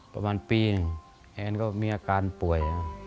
ประมาณปีหนึ่งแขนก็มีอาการป่วย